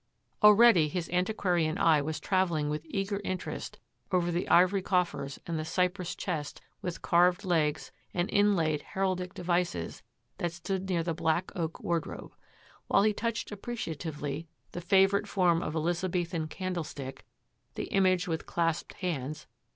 Already his antiquarian eye was travelling with eager interest over the ivory coffers and the cypress chest with carved legs and inlaid heraldic devices that stood near the black oak wardrobe. While he touched appreciatively the favourite form of Elizabethan candlestick, the image with clasped hands.